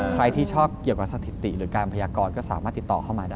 ใครที่ชอบเกี่ยวกับสถิติหรือการพยากรก็สามารถติดต่อเข้ามาได้